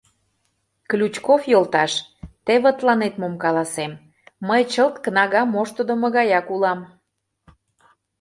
— Ключков йолташ, теве тыланет мом каласем: мый чылт кнага моштыдымо гаяк улам.